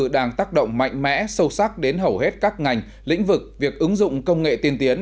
đang tác động mạnh mẽ sâu sắc đến hầu hết các ngành lĩnh vực việc ứng dụng công nghệ tiên tiến